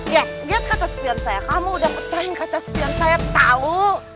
yah liat kaca spion saya kamu udah pecahin kaca spion saya tau